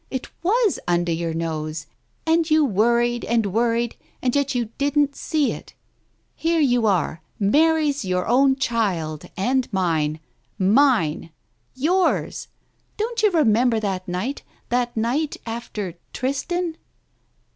It was under your nose, and you worried and worried, and yet you didn't see it ! Here you are — Mary's your own child — and mine ! Mine ! Yours ! Don't you remember that night — that night after ' Tristan